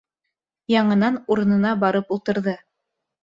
Яңынан урынына барып ултырҙы.